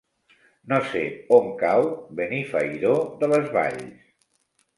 No sé on cau Benifairó de les Valls.